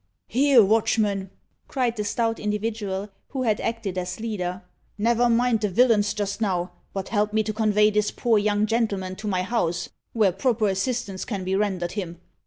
"Here, watchmen!" cried the stout individual, who had acted as leader; "never mind the villains just now, but help me to convey this poor young gentleman to my house, where proper assistance can be rendered him.